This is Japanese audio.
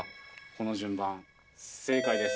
この順番正解です。